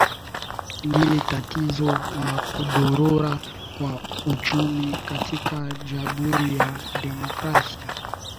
dili tatizo la kudorora kwa uchumi katika jamhuri ya demokrasia